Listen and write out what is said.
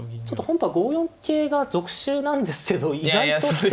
ちょっと本譜は５四桂が俗手なんですけど意外と。